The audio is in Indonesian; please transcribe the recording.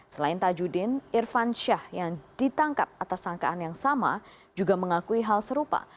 selain tajudin irfan syah yang ditangkap atas sangkaan yang sama juga mengakui hal serupa